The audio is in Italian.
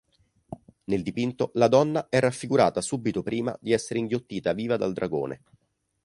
Nel dipinto la donna è raffigurata subito prima di essere inghiottita viva dal dragone.